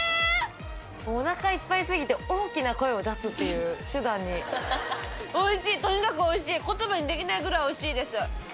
おなかいっぱいすぎて大きな声を出すっていう手段においしいとにかくおいしい言葉にできないぐらいおいしいです